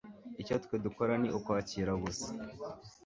icyo twe dukora ni ukwakira gusa".